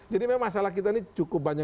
jadi memang masalah kita ini cukup banyak